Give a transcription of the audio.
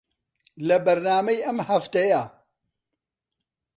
لە بەرنامەی ئەم هەفتەیە